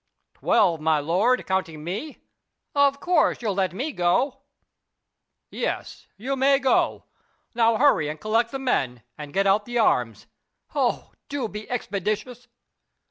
"Twelve, my lord, counting me. Of course you'll let me go." "Yes, you may go. Now hurry and collect the men and get out the arms. Oh, do be expeditious!"